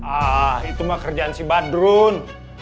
ah itu mah kerjaan si badrun